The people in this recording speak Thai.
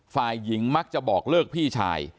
ฝ่ายหญิงมักจะบอกเลิกพี่ชาย